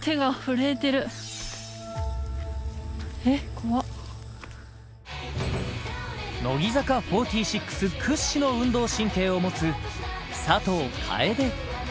俺乃木坂４６屈指の運動神経を持つ佐藤楓